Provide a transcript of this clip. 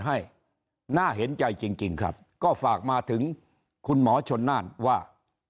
ให้น่าเห็นใจจริงครับก็ฝากมาถึงคุณหมอชนน่านว่า